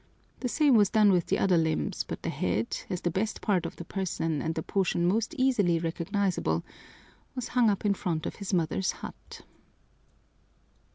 The same was done with the other limbs, but the head, as the best part of the person and the portion most easily recognizable, was hung up in front of his mother's hut!"